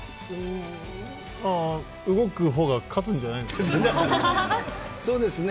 ああ、動くほうが勝つんじゃそうですね。